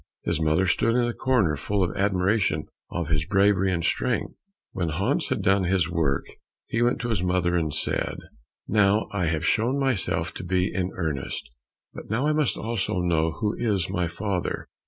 His mother stood in a corner full of admiration of his bravery and strength. When Hans had done his work, he went to his mother, and said, "Now I have shown myself to be in earnest, but now I must also know who is my father."